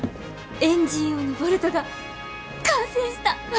エンジン用のボルトが完成した！